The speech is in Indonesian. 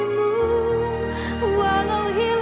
kau ada siang